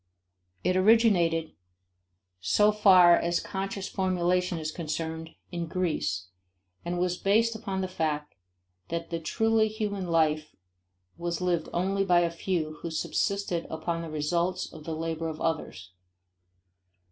It originated, so far as conscious formulation is concerned, in Greece, and was based upon the fact that the truly human life was lived only by a few who subsisted upon the results of the labor of others.